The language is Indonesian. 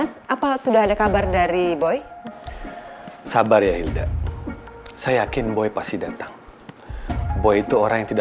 siapa tau aja kan tiba tiba buka hati